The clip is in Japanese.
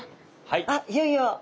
あっいよいよ。